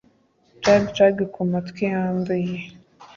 Jug Jug kumatwi yanduye